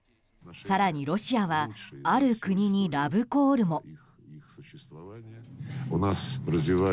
更にロシアはある国にラブコールも。